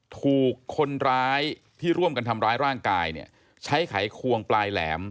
ถูกคนร้ายที่ร่วมกันทำร้ายร่างกายเนี่ยใช้ไขควงปลายแหลม